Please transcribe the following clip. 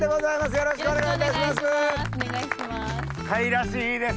よろしくお願いします。